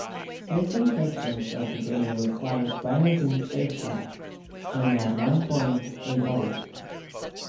Certain sections of the game require piloting spacecraft and at one point a boat.